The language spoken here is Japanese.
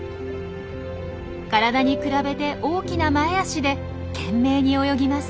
体に比べて大きな前足で懸命に泳ぎます。